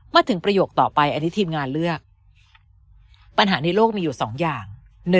ประโยคต่อไปอันนี้ทีมงานเลือกปัญหาในโลกมีอยู่๒อย่าง